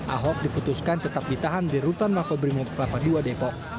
ahok diputuskan tetap ditahan di rutan mako brimob kelapa dua depok